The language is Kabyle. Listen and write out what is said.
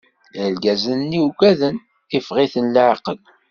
Irgazen-nni ugaden, iffeɣ- iten leɛqel.